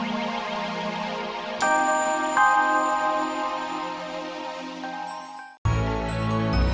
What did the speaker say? tapi magu matu juga